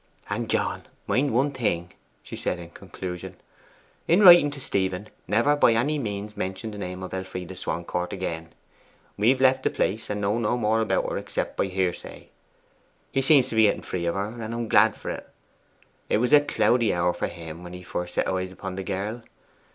'And, John, mind one thing,' she said in conclusion. 'In writing to Stephen, never by any means mention the name of Elfride Swancourt again. We've left the place, and know no more about her except by hearsay. He seems to be getting free of her, and glad am I for it. It was a cloudy hour for him when he first set eyes upon the girl.